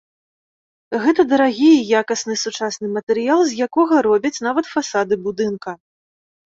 Гэта дарагі і якасны сучасны матэрыял, з якога робяць нават фасады будынка.